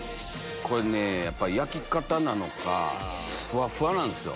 これねやっぱ焼き方なのかふわふわなんですよ。